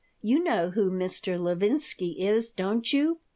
You know who Mr. Levinsky is, don't you?